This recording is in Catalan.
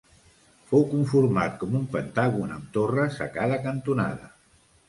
Fou conformat com un pentàgon amb torres a cada cantonada.